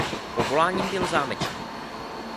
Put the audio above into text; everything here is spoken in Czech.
Povoláním byl zámečník.